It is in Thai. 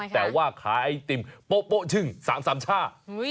แต่ว่าขาไอติมโป๊ะโป๊ะชึ่งสามสามช่า